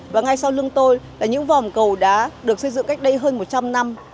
và ngay sau lưng tôi là những vòm cầu đá được xây dựng cách đây hơn một trăm linh năm